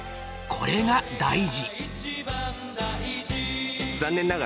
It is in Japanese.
これが大事。